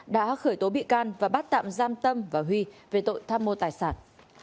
đã khởi tố bị can và bắt tạm giam tâm và huy về tội tham mô tài sản